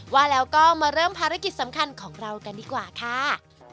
ว่าแล้วก็มาเริ่มภารกิจสำคัญของเรากันดีกว่าค่ะ